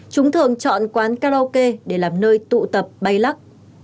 chúng thường chọn quán karaoke để làm nơi tụ tập bay lắc